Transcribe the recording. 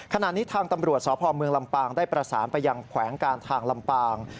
ขณะนี้ทางตำรวจสพเมืองลำปางได้ประสานไปยังแขวงการทางลำปาง